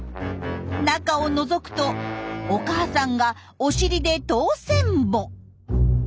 中をのぞくとお母さんがお尻で通せんぼ。